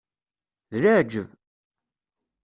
D leɛǧeb!